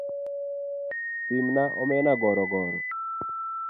pimna omena gorogoro